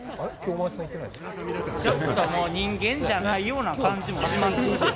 ちょっともう人間じゃないような感じもしますね。